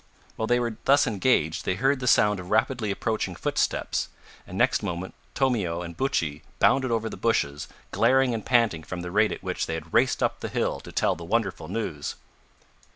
While they were thus engaged they heard the sound of rapidly approaching footsteps, and next moment Tomeo and Buttchee bounded over the bushes, glaring and panting from the rate at which they had raced up the hill to tell the wonderful news!